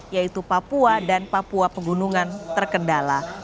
yaitu papua dan papua pegunungan terkendala